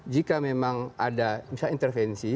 jika memang ada intervensi